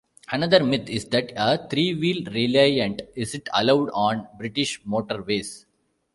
Another myth is that a three-wheel Reliant isn't allowed on British motorways.